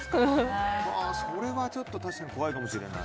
それはちょっと確かに怖いかもしれない。